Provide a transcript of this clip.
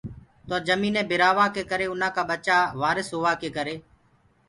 تو جميٚن بِرآ وآ ڪي ڪري اُنآ ڪآ ٻچآ وارس هووا ڪي ڪري